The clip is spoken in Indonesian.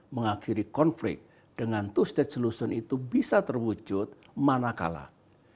mengakhiri konflik dengan two state solution itu bisa terwujud mana kalah